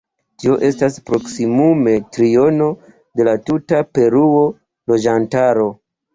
Tio estas proksimume triono de la tuta Peruo loĝantaro.